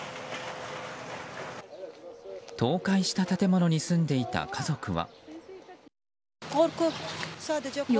倒壊した建物に住んでいた家族は。